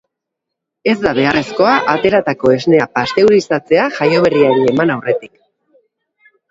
Ez da beharrezkoa ateratako esnea pasteurizatzea jaioberriari eman aurretik.